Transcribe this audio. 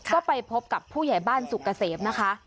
ก็ไปพบกับผู้ใหญ่บ้านสุกเกษมนะคะ